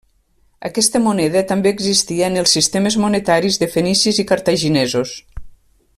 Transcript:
Aquesta moneda també existia en els sistemes monetaris de fenicis i cartaginesos.